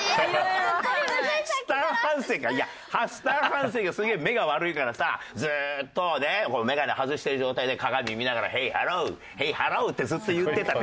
いやスタン・ハンセンがすげえ目が悪いからさずっとね眼鏡外してる状態で鏡見ながら「ヘイハロー！ヘイハロー」ってずっと言ってたんで。